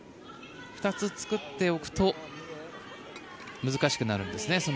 ２つ作っておくと難しくなるんですね。